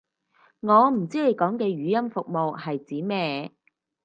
我唔知你講嘅語音服務係指咩